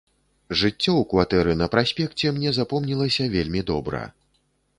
Жыццё ў кватэры на праспекце мне запомнілася вельмі добра.